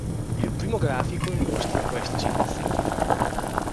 Il primo grafico illustra questa situazione.